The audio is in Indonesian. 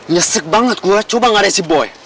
nyesek banget gue coba ngarek si boy